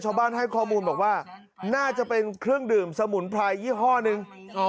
ชาวบ้านให้ข้อมูลบอกว่าน่าจะเป็นเครื่องดื่มสมุนไพรยี่ห้อนึง